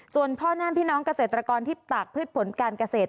ส่วนพ่อแม่พี่น้องเกษตรกรที่ตากพืชผลการเกษตร